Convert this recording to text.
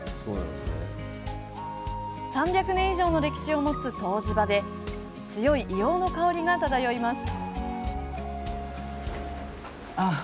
３００年以上の歴史を持つ湯治場で強い硫黄の香りが漂います。